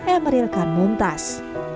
emeril kan muntas